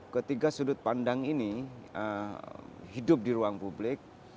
ketiga sudut pandang ini hidup di ruang publik